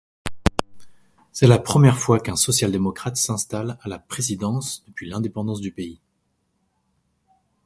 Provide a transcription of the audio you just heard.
C'est la première fois qu'un social-démocrate s'installe à la présidence depuis l'indépendance du pays.